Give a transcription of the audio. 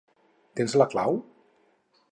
Tens la clau?